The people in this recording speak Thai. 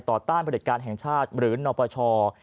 ต่อต้านผลิติการแห่งชาติหรือณประชา